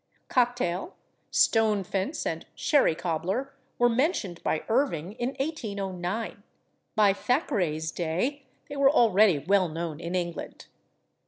/Cocktail/, /stone fence/ and /sherry cobbler/ were mentioned by Irving in 1809; by Thackeray's day they were already well known in England.